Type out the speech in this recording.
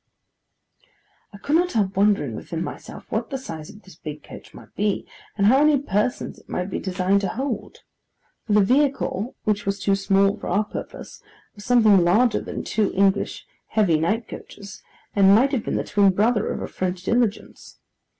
I could not help wondering within myself what the size of this big coach might be, and how many persons it might be designed to hold; for the vehicle which was too small for our purpose was something larger than two English heavy night coaches, and might have been the twin brother of a French Diligence.